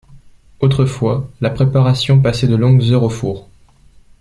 Autrefois, la préparation passait de longues heures au four.